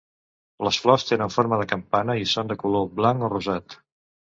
Les flors tenen forma de campana i són de color blanc o rosat.